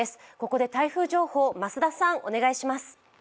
ここで台風情報、増田さん、お願いします。